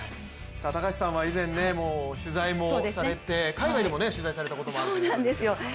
高橋さんは以前、取材もされて海外でも取材されたことがあるんですよね。